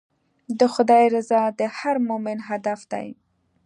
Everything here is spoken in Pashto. د خدای رضا د هر مؤمن هدف دی.